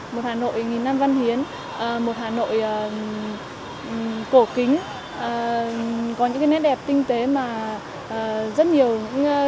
một hà nội nghìn năm văn hiến một hà nội cổ kính có những nét đẹp tinh tế mà rất nhiều du khách trên thế giới